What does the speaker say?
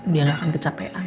dia gak akan kecapean